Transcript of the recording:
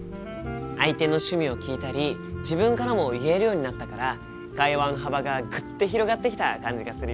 相手の趣味を聞いたり自分からも言えるようになったから会話の幅がぐっと広がってきた感じがするよ。